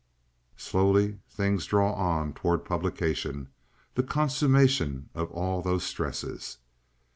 Slowly things draw on toward publication, the consummation of all those stresses.